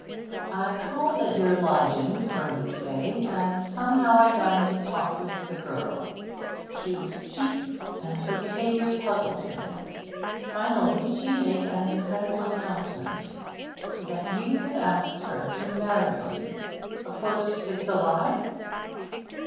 'I called at your lodgings early to day, and somehow I got into talk with the girl. She was cheeky, and her behaviour puzzled me. Finally she made an incredible announcement that you had asked her to marry you. Of course it's a lie?'